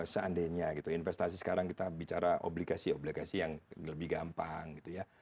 seandainya gitu investasi sekarang kita bicara obligasi obligasi yang lebih gampang gitu ya